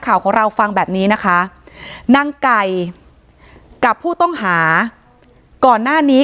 ข่าวของเราฟังแบบนี้นะคะนางไก่กับผู้ต้องหาก่อนหน้านี้